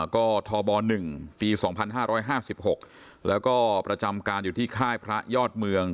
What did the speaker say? ก็ทบ๑ปี๒๕๕๖แล้วก็ประจำการอยู่ที่ค่ายพระยอดเมือง